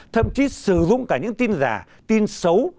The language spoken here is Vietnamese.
thậm chí sử dụng cả những tin giả tin xấu